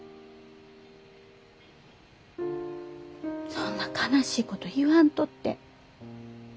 そんな悲しいこと言わんとって。